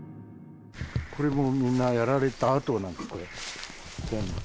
これもみんなやられた跡なんです、これ、全部。